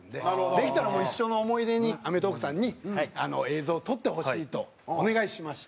できたらもう一生の思い出に『アメトーーク』さんに映像を撮ってほしいとお願いしまして。